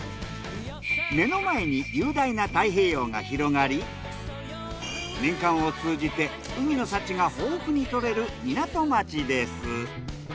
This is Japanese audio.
目の前に雄大な太平洋が広がり年間を通じて海の幸が豊富にとれる港町です。